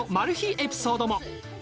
エピソードも。